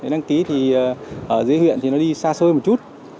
đăng ký thì ở dưới huyện thì nó đi xa xôi một chút